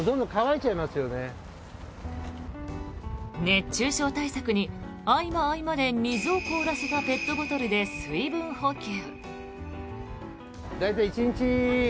熱中症対策に合間合間で水を凍らせたペットボトルで水分補給。